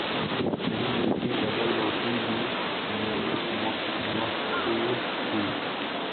نہیں ملتی، ڈبل روٹی بھی مفقود تھی۔